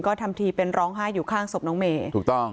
ก็ทำทีเป็นร้องไห้อยู่ข้างศพน้องเมย์ถูกต้อง